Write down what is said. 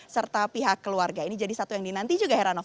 serta pihak keluarga ini jadi satu yang dinanti juga heranov